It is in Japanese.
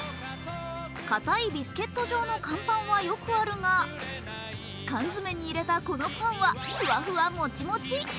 かたいビスケット状の乾パンはよくあるが缶詰に入れたこのパンはふわふわもちもち。